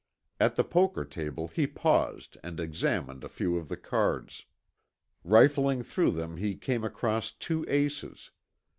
At the poker table he paused and examined a few of the cards. Riffling through them he came across two aces.